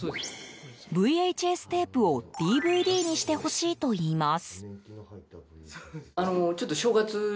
ＶＨＳテープをＤＶＤにしてほしいといいます。